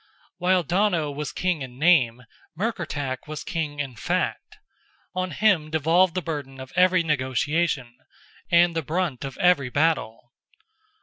While Donogh was king in name, Murkertach was king in fact; on him devolved the burden of every negotiation, and the brunt of every battle.